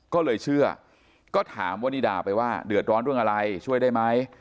ก็เลยเชื่อก็ถามวนิดาไปว่าเดือดร้อนเรื่องอะไรช่วยได้ไหม